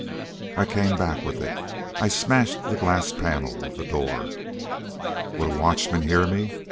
I came back with it. I smashed the glass panel of the door. Would a watchman hear me?